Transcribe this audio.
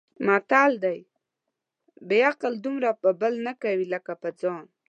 متل دی: بې عقل دومره په بل نه کوي لکه په ځان.